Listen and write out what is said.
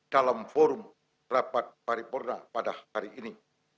dalam forum rapat paripurna pada hari ini